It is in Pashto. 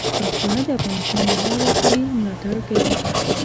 پښتانه د افغانستان د هر وګړي ملاتړ کوي.